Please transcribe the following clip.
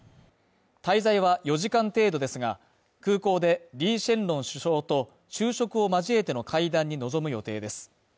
滞在は４時間程度ですが、空港でリー・シェンロン首相と昼食を交えての会談に臨む予定です。